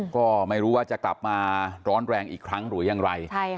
ก็ไม่รู้ว่าจะกลับมาร้อนแรงอีกครั้งหรือยังไร